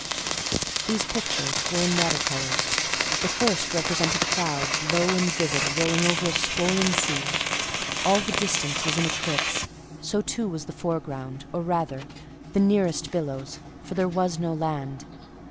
These pictures were in water colours. The first represented clouds low and livid, rolling over a swollen sea: all the distance was in eclipse; so, too, was the foreground; or rather, the nearest billows, for there was no land.